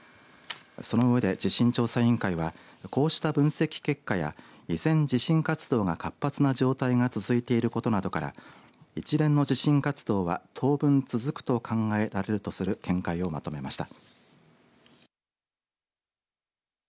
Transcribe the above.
その上で、地震調査委員会はこうした分析結果や依然、地震活動が活発な状態が続いていることなどから一連の地震活動は当分、続くと考えられるとする見解をまとめました。